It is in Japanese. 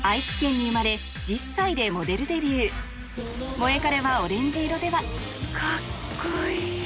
『モエカレはオレンジ色』ではカッコいい！